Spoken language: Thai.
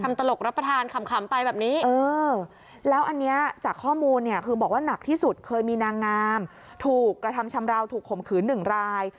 ตลกรับประทานขำไปแบบนี้เออแล้วอันนี้จากข้อมูลเนี่ยคือบอกว่าหนักที่สุดเคยมีนางงามถูกกระทำชำราวถูกข่มขืนหนึ่งราย